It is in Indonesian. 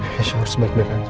keisha harus baik baik aja